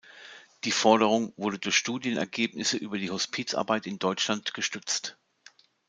Die Forderung wurde durch Studienergebnisse über die Hospizarbeit in Deutschland gestützt.